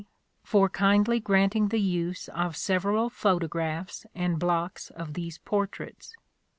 for kindly granting the use of several photographs and blocks of these portraits.